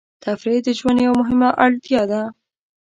تفریح د ژوند یوه مهمه اړتیا ده.